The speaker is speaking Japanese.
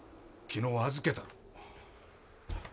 昨日預けたろ。